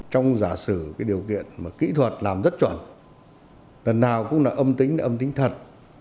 trong giả sử điều kiện kỹ thuật làm rất chuẩn lần nào cũng là âm tính âm tính thật